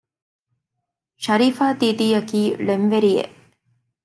ޝަރީފާ ދީދީ އަކީ ޅެންވެރިއެއް